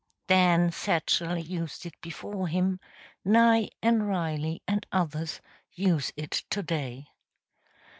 Dan Setchell used it before him, Nye and Riley and others use it to day.